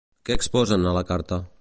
Què exposen a la carta?